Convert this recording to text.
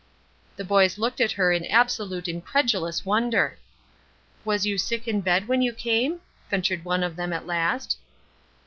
The boys looked at her in absolute incredulous wonder. "Was you sick in bed when you came?" ventured one of them at last.